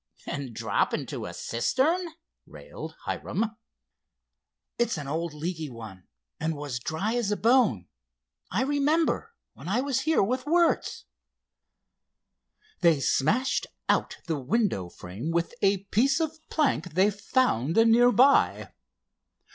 "And drop into a cistern!" railed Hiram. "It's an old leaky one and was dry as a bone, I remember, when I was here with Wertz." They smashed out the window frame with a piece of plank they found near by.